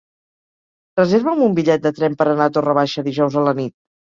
Reserva'm un bitllet de tren per anar a Torre Baixa dijous a la nit.